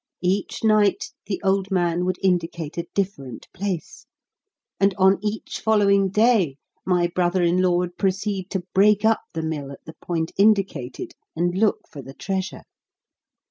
Each night, the old man would indicate a different place; and, on each following day, my brother in law would proceed to break up the mill at the point indicated, and look for the treasure.